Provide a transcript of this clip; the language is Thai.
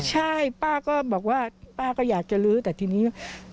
ใช่ป้าก็บอกว่าป้าก็อยากจะลื้อแต่ทีนี้